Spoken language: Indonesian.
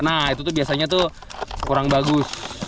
nah itu tuh biasanya tuh kurang bagus